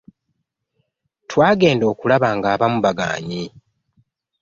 Twagenda okulaba ng'abamu bagaanyi.